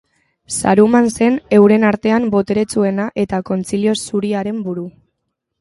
Saruman zen euren artean boteretsuena eta Kontzilio Zuriaren buru.